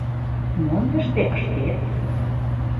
— Мом тыште ыштет?